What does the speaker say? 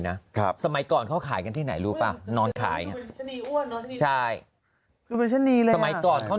นะครับสมัยก่อนเขาขายกันที่ไหนรู้ป่ะนอนขายดีเลยสมัยก่อนเขา